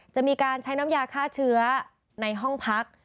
จะมีการใช้น้ำยาฆ่าเชื้อในห้องพัก